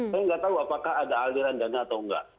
saya nggak tahu apakah ada aliran dana atau enggak